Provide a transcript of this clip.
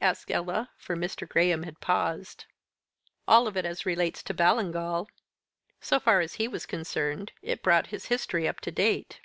asked Ella, for Mr. Graham had paused. "All of it as it relates to Ballingall. So far as he was concerned, it brought his history up to date."